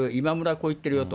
こう言ってるよと。